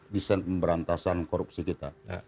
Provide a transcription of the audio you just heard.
desain pemberantasan korupsi kita